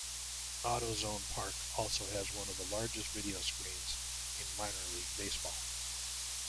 AutoZone Park also has one of the largest video screens in minor league baseball.